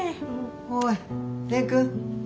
おい蓮くん！